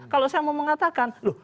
kalau saya mau mengatakan